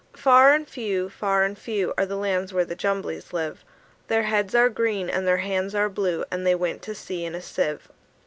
Far and few, far and few, Are the lands where the Jumblies live: Their heads are green, and their hands are blue And they went to sea in a sieve.